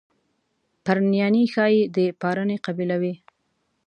پرنیاني ښایي د پارني قبیله وي.